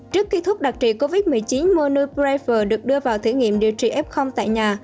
trước khi thuốc đặc trị covid một mươi chín monob prifer được đưa vào thử nghiệm điều trị f tại nhà